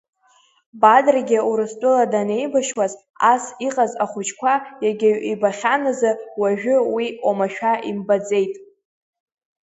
Бадрагьы Урыстәыла данеибашьуаз, ас иҟаз ахәыҷқәа иагьаҩ ибахьаназы, уажәы уи омашәа имбаӡеит.